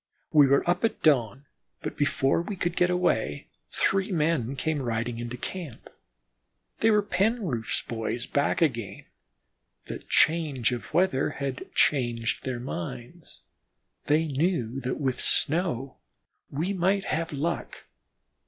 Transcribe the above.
We were up at dawn, but before we could get away, three men came riding into camp. They were the Penroof boys back again. The change of weather had changed their minds; they knew that with snow we might have luck.